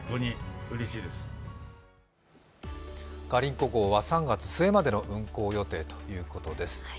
「ガリンコ号」は３月末までの運航予定だということです。